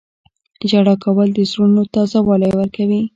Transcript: • ژړا کول د زړونو ته تازه والی ورکوي.